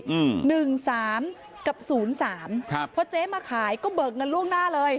อืมหนึ่งสามกับศูนย์สามครับพอเจ๊มาขายก็เบิกเงินล่วงหน้าเลย